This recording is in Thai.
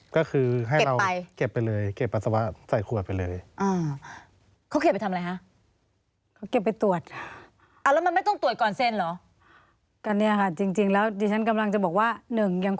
ก็คือให้เก็บไปเก็บไปเลยเก็บปัสสาวะใส่ขวดไปเลย